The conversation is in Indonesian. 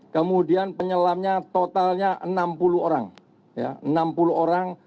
kemudian penyelamnya totalnya enam puluh orang